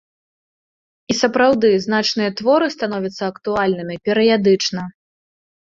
І сапраўды значныя творы становяцца актуальнымі перыядычна.